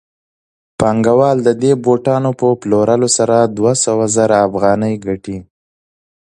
پانګوال د دې بوټانو په پلورلو سره دوه سوه زره افغانۍ ګټي